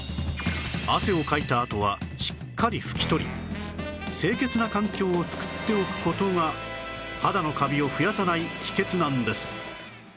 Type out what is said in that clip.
汗をかいたあとはしっかり拭き取り清潔な環境を作っておく事が肌のカビを増やさない秘訣なんです